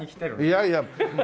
いやいや。